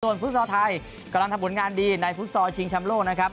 ส่วนฟุตซอลไทยกำลังทำผลงานดีในฟุตซอลชิงชำโลกนะครับ